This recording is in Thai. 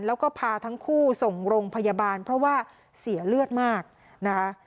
แล้วก็พาทั้งคู่ส่งโรงพยาบาลเพราะว่าเสียเลือดมากนะคะ